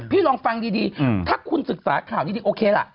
ลองฟังดีถ้าคุณศึกษาข่าวดีโอเคล่ะ